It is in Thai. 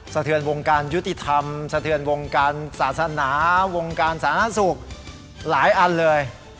สะเทือนวงการยุติธรรมสะเทือนวงการศาสนาวงการสาธารณสุขหลายอันเลย